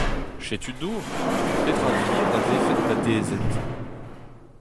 Setu dour, petra 'vir na vefen badezet ?